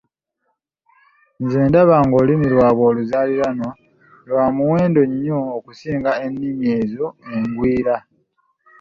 Nze ndaba ng'olulimi lwabwe oluzaaliranwa lwa muwendo nnyo okusinga ennimi ezo engwira.